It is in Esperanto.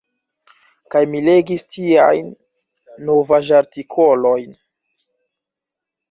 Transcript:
Kaj mi legis tiajn novaĵ-artikolojn.